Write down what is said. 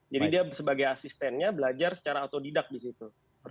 jadi dia sebagai asistennya belajar secara otodidak di situ